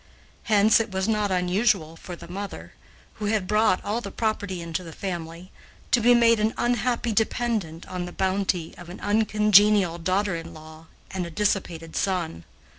Hence it was not unusual for the mother, who had brought all the property into the family, to be made an unhappy dependent on the bounty of an uncongenial daughter in law and a dissipated son.